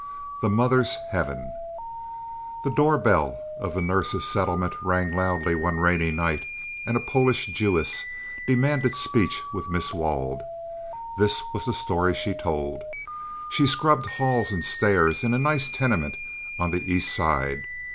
'"] THE MOTHER'S HEAVEN The door bell of the Nurses' Settlement rang loudly one rainy night, and a Polish Jewess demanded speech with Miss Wald. This was the story she told: She scrubbed halls and stairs in a nice tenement on the East Side.